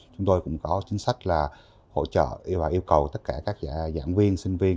chúng tôi cũng có chính sách là hỗ trợ và yêu cầu tất cả các giảng viên sinh viên